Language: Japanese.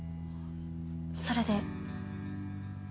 それで？